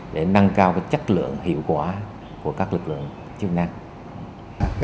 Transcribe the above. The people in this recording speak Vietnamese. để nâng cao chất lượng hiệu quả của các lực lượng chức năng